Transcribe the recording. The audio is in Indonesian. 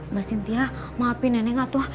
mbak cynthia maafin nenek lah tuh